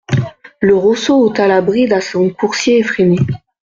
Le Rosso ôta la bride à son coursier effréné.